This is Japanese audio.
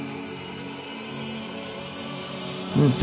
うん。